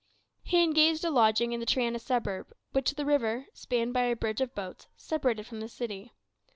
He engaged a lodging in the Triana suburb, which the river, spanned by a bridge of boats, separated from the city.